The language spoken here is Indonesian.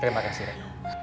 terima kasih renu